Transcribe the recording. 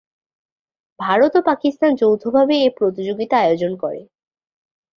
ভারত ও পাকিস্তান যৌথভাবে এ প্রতিযোগিতা আয়োজন করে।